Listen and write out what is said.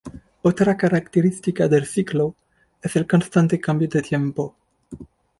Otra característica del ciclo es el constante cambio de tiempo.